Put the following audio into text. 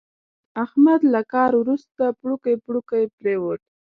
احمد له کار ورسته پړوکی پړوکی پرېوت.